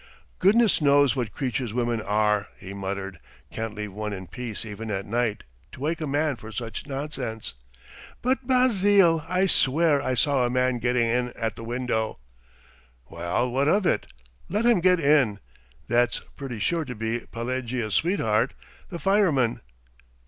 "Goodness knows what creatures women are!" he muttered. "Can't leave one in peace even at night! To wake a man for such nonsense!" "But, Basile, I swear I saw a man getting in at the window!" "Well, what of it? Let him get in. ... That's pretty sure to be Pelagea's sweetheart, the fireman."